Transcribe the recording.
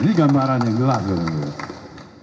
ini gambaran yang jelas